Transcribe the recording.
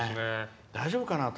大丈夫かなと。